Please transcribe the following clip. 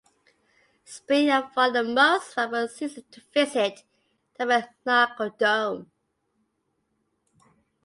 Spring and fall are the most favorable seasons to visit Tabernacle Dome.